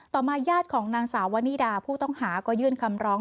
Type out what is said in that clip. มาญาติของนางสาววนิดาผู้ต้องหาก็ยื่นคำร้อง